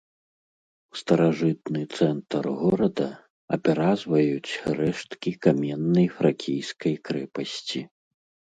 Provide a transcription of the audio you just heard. Старажытны цэнтр горада апяразваюць рэшткі каменнай фракійскай крэпасці.